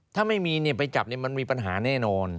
ถ้าไม่มีเนี่ยไปจับเนี่ยมันมีปัญหาแน่นอน